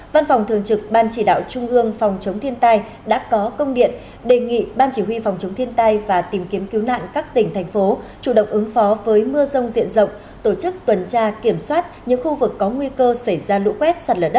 cảnh sát giao thông tp hà nội đã bố trí lực lượng cảnh sát giao thông tp hà nội đến hai mươi hai h tối tổ chức tuần tra đến sáng ngày hôm sau kịp thời giúp đỡ người tham gia giao thông khi có sự cố bất thường